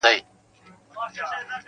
پر حلال حرام یې مه کيږه راوړه یې,